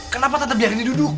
kenapa tante biarkan ini duduk